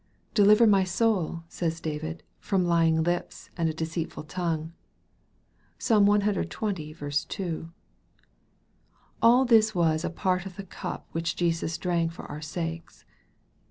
Deliver my soul," says David, "fromlying lips and a deceitful tongue." (Psalm cxx. 2.) All this was a part of the cup which Jesus drank for our sakes.